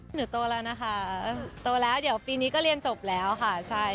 หนูโตแล้วนะคะโตแล้วเดี๋ยวปีนี้ก็เรียนจบแล้วค่ะใช่